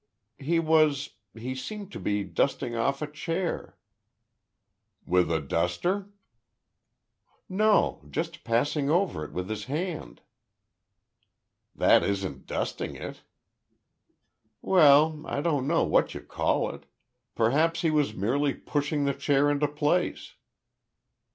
"He was—he seemed to be dusting off a chair." "With a duster?" "No; just passing over it with his hand." "That isn't dusting it." "Well, I don't know what you call it! Perhaps he was merely pushing the chair into place."